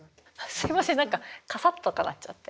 すいません何かカサッとかなっちゃって。